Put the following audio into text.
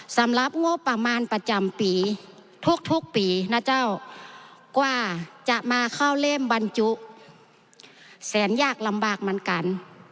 สำหรับงบประมาณประจำปีทุกปีนะเจ้ากว่าจะมาเข้าเล่มบรรจุแสนยากลำบากเหมือนกัน